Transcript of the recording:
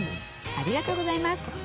ありがとうございます。